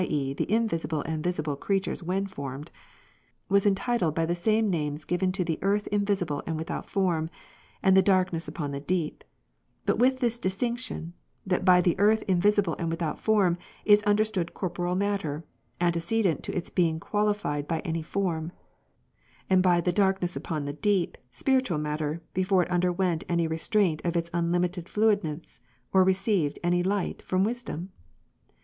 e. the invisible and visible creature when formed,) was entitled by the same names given to the earth invisible and without form and the darkness upon the deep, but with this distinction, that by the earth invisible and without form is understood corporeal matter, antecedent to its being qualified by any form ; and by the darkness upon the deep, spiritual matter, before it underwent any restraint of its unlimited fluidness, or received any light from Wisdom